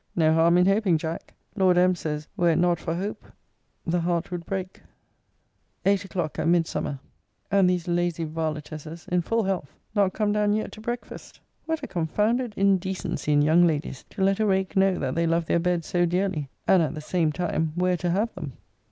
No harm in hoping, Jack! Lord M. says, were it not for hope, the heart would break. Eight o'clock at Midsummer, and these lazy varletesses (in full health) not come down yet to breakfast! What a confounded indecency in young ladies, to let a rake know that they love their beds so dearly, and, at the same time, where to have them!